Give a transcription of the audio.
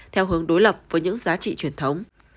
theo hướng đối lập với những giá trị truyền thống